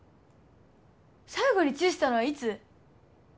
最後にチューしたのはいつ？